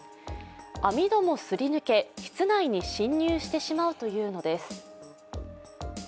網戸も振り抜け、室内に侵入してしまうというのです。